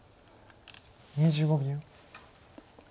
２５秒。